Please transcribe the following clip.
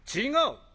違う。